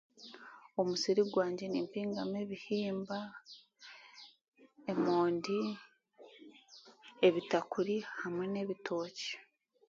Omusiri gwangye nimpingamu ebihimba, emondi, ebitakuri, hamwe n'ebitooki